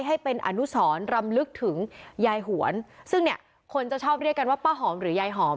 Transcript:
ให้เป็นอนุสรรำลึกถึงยายหวนซึ่งเนี่ยคนจะชอบเรียกกันว่าป้าหอมหรือยายหอม